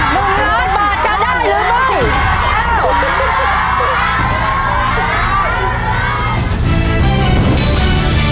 ๑ล้านบาทจะได้หรือไม่